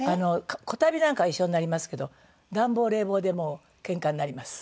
小旅なんかは一緒になりますけど暖房冷房でもうけんかになります。